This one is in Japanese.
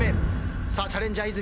さあチャレンジャー泉。